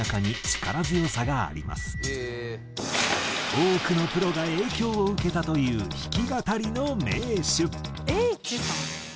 多くのプロが影響を受けたという弾き語りの名手。